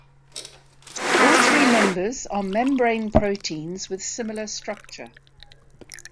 All three members are membrane proteins with similar structure.